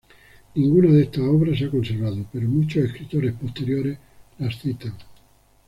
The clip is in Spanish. Ninguna de estas obras se ha conservado, pero muchos escritores posteriores las citan.